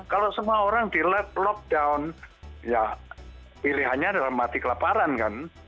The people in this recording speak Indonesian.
kalau semua orang di lockdown ya pilihannya adalah mati kelaparan kan